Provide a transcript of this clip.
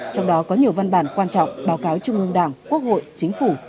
trong đó có nhiều văn bản quan trọng báo cáo trung ương đảng quốc hội chính phủ